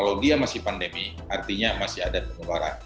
kalau dia masih pandemi artinya masih ada penularan